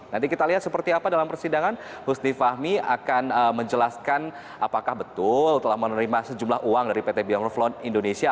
nanti kita lihat seperti apa dalam persidangan husni fahmi akan menjelaskan apakah betul telah menerima sejumlah uang dari pt biomoplone indonesia